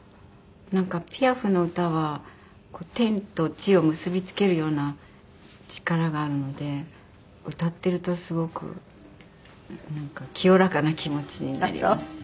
なんかピアフの歌は天と地を結び付けるような力があるので歌ってるとすごくなんか清らかな気持ちになります。